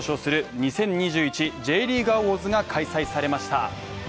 ２０２１Ｊリーグアウォーズが開催されました。